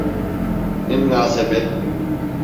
Ne münasebet mi?